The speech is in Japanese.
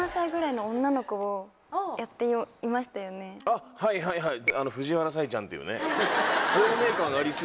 あっはいはいはい。